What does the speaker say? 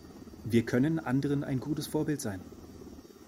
Wir können anderen ein gutes Vorbild sein.